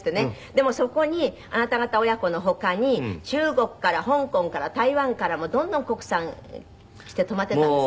でもそこにあなた方親子の他に中国から香港から台湾からもうどんどんコックさん来て泊まってたんですって？